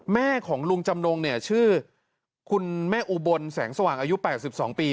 แม่ของลุงจำนงเนี่ยชื่อคุณแม่อุบลแสงสว่างอายุ๘๒ปี